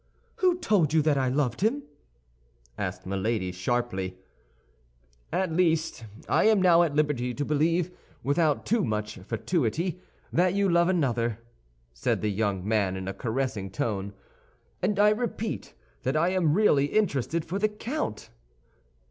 "Who told you that I loved him?" asked Milady, sharply. "At least, I am now at liberty to believe, without too much fatuity, that you love another," said the young man, in a caressing tone, "and I repeat that I am really interested for the count."